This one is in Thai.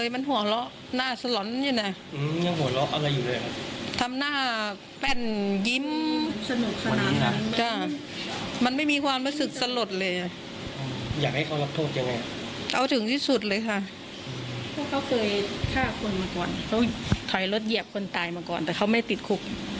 เพราะเขาเคยฆ่าคนมาก่อนเขาถอยรถเหยียบคนตายมาก่อนแต่เขาไม่ติดคุก